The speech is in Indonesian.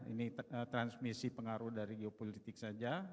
ini transmisi pengaruh dari geopolitik saja